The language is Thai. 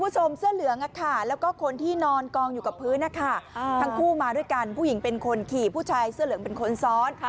ทั้งคู่มาด้วยกันผู้หญิงเป็นคนขี่ผู้ชายเสื้อเหลืองเป็นคนซ้อน